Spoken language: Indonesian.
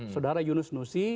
saudara yunus nusi